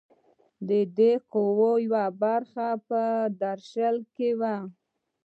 د دې قواوو یوه برخه په درشل کې وه.